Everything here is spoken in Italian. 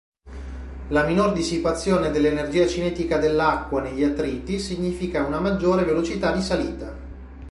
La minor dissipazione dell'energia cinetica dell'acqua negli attriti significa una maggiore velocità di salita.